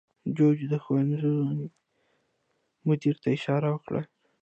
جوجو د ښوونځي مدیر ته اشاره وکړه.